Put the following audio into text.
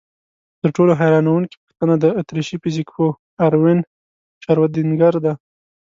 تر ټولو حیرانوونکې پوښتنه د اتریشي فزیکپوه اروین شرودینګر ده.